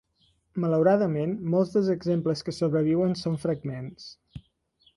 Malauradament, molts dels exemples que sobreviuen són fragments.